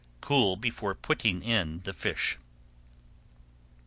Cool before putting in the fish.